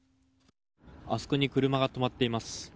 あそこに車が止まっています。